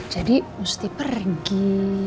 jadi mesti pergi